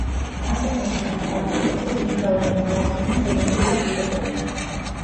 ტანსაცმლის ჩამოყალიბებაზე დიდი გავლენა მოახდინა კლიმატურმა პირობებმა.